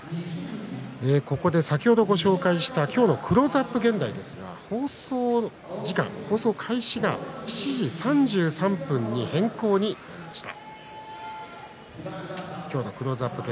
先ほどご紹介した今日の「クローズアップ現代」ですが放送時間が７時３３分に変更になりました。